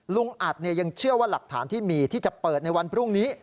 ลุงอัดยังเชื่อว่าหลักฐานที่มีที่จะเปิดในวันพรุ่งนี้